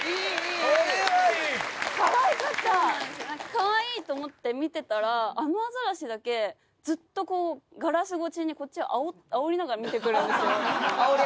カワイイと思って見てたらあのアザラシだけずっとこうガラス越しにこっちをあおりながら見てくるんですよ。